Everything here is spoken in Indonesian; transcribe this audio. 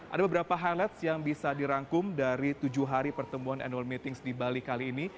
ada beberapa highlights yang bisa dirangkum dari tujuh hari pertemuan annual meetings di bali kali ini